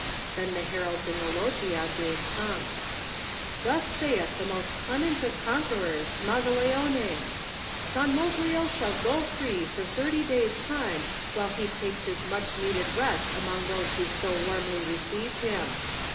Then the heralds in the loggia gave tongue: "Thus saith the most clement of con querors, Mazzaleone! 'San Moglio shall go free for thirty days' time while he takes his much needed rest among those who so Digitized by Google THE NINTH MAN warmly received him.